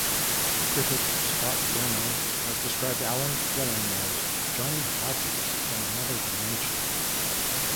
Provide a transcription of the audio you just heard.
Critic Scott Yanow has described Allen's playing as "Johnny Hodges from another dimension".